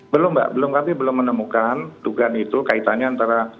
belum mbak belum kami belum menemukan dugaan itu kaitannya antara